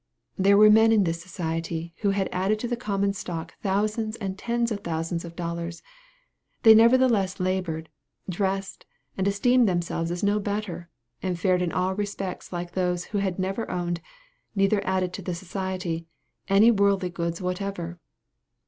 There were men in this society who had added to the common stock thousands and tens of thousands of dollars; they nevertheless labored, dressed, and esteemed themselves as no better, and fared in all respects like those who had never owned, neither added to the society, any worldly goods whatever.